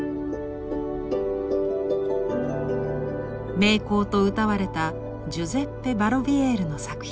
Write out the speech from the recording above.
名工とうたわれたジュゼッペ・バロヴィエールの作品。